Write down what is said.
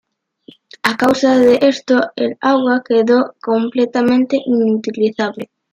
A causa de esto el agua quedó completamente inutilizable.